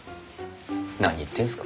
何言ってんすか。